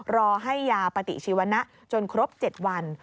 รอให้ยาปฏิชีวนะจนครบ๗วัน